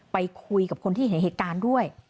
ไปคุยกับคนที่เห็นเหตุการณ์ด้วย